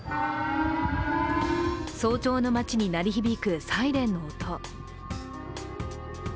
早朝の街に鳴り響くサイレンの音。